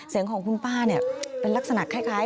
เสียงของคุณป้าเนี่ยเป็นลักษณะคล้าย